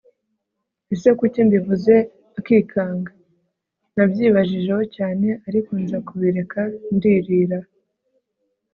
ese kuki mbivuze akiganga!? nabyibajijeho cyane ariko nza kubireka ndirira